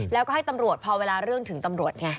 แล้วก็ให้ตำรวจพอเวลาเรื่องถึงตำรวจไง